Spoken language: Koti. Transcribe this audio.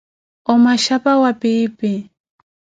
O Machapa wa piipi